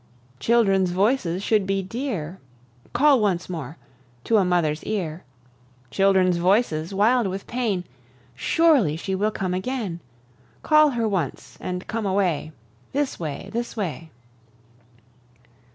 Children's voices should be dear (Call once more) to a mother's ear; Children's voices, wild with pain Surely she will come again! Call her once and come away; This way, this way!